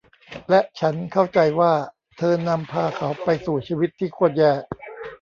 และฉันเข้าใจว่าเธอนำพาเขาไปสู่ชีวิตที่โครตแย่